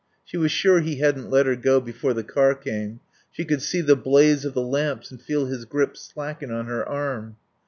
She was sure he hadn't let her go before the car came. She could see the blaze of the lamps and feel his grip slacken on her arm.